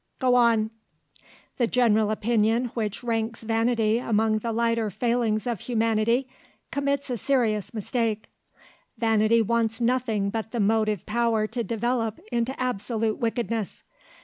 go on!" The general opinion which ranks vanity among the lighter failings of humanity, commits a serious mistake. Vanity wants nothing but the motive power to develop into absolute wickedness.